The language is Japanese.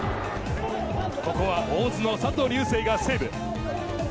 ここは大津の佐藤瑠星がセーブ。